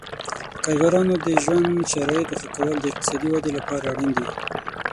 د کارګرانو د ژوند شرایطو ښه کول د اقتصادي ودې لپاره اړین دي.